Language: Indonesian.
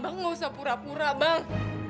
bang gak usah pura pura bang